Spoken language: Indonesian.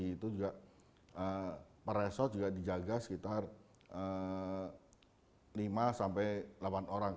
itu juga per resort juga dijaga sekitar lima sampai delapan orang